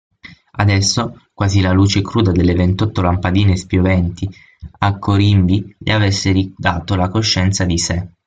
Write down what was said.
Adesso, quasi la luce cruda delle ventotto lampadine spioventi a corimbi gli avesse ridato la coscienza di sé.